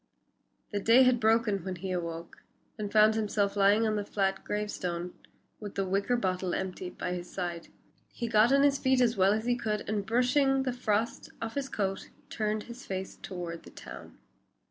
The day had broken when he awoke, and found himself lying on the flat gravestone, with the wicker bottle empty by his side. He got on his feet as well as he could, and brushing the frost off his coat, turned his face toward the town.